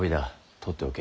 取っておけ。